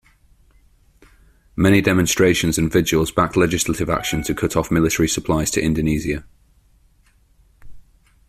Many demonstrations and vigils backed legislative actions to cut off military supplies to Indonesia.